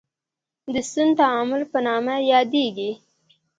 د سون تعامل په نامه یادیږي.